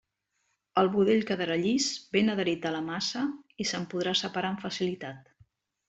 El budell quedarà llis, ben adherit a la massa i se'n podrà separar amb facilitat.